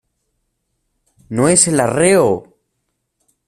¡ no es el arreo!...